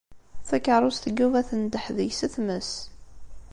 Takeṛṛust n Yuba tendeḥ deg-s tmes.